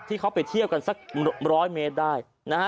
ที่เขาไปเที่ยวกันสักร้อยเมตรได้